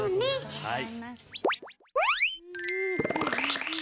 はい。